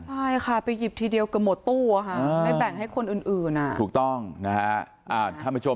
ใช้ค่ะไปหยิบทีเดียวกับหมดตู้ไอ้แบ่งให้คนอื่นอื่น